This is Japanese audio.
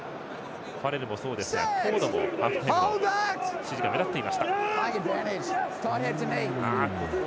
ファレルもそうですがフォードもハーフタイムの指示が目立っていました。